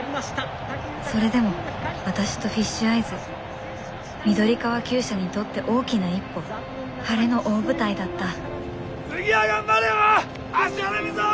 それでも私とフィッシュアイズ緑川厩舎にとって大きな一歩晴れの大舞台だった次は頑張れよ芦原瑞穂！